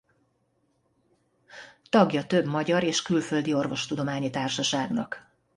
Tagja több magyar és külföldi orvostudományi társaságnak.